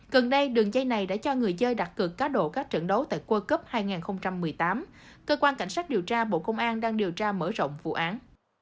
gần đây đường dây này đã cho người chơi đặt cược cá độ các trận đấu tại world cup hai nghìn một mươi tám cơ quan cảnh sát điều tra bộ công an đang điều tra mở rộng vụ án